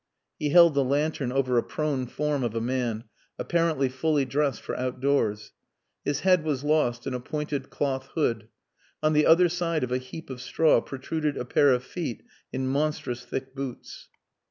He held the lantern over a prone form of a man, apparently fully dressed for outdoors. His head was lost in a pointed cloth hood. On the other side of a heap of straw protruded a pair of feet in monstrous thick boots.